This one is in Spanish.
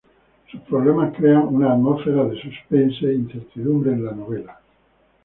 Sus problemas crean una atmósfera de suspense e incertidumbre en la novela.